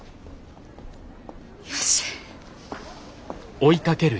よし。